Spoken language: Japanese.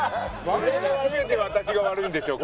「全て私が悪いのでしょうか」？